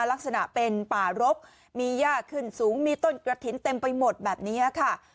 ลักษณะเป็นป่ารกมียากขึ้นสูงมีต้นกระถิ่นเต็มไปหมดแบบนี้ค่ะ